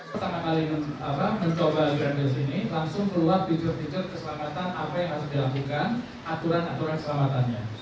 pertama kali mencoba brand ke sini langsung keluar fitur fitur keselamatan apa yang harus dilakukan aturan aturan keselamatannya